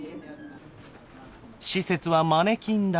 施設はマネキンだらけ。